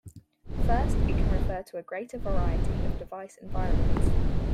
First, it can refer to a greater variety of device environments.